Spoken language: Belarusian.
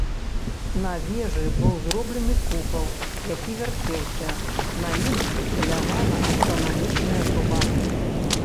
На вежы быў зроблены купал, які вярцеўся, на ім усталявана астранамічная труба.